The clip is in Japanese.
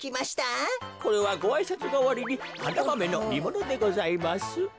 これはごあいさつがわりにハナマメのにものでございます。